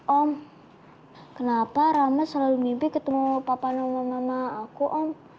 om kenapa rama selalu mimpi ketemu papa nama mama aku om